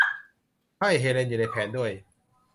ใช่ เฮเลนอยู่ในแผนด้วย